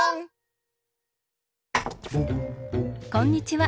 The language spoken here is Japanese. こんにちは。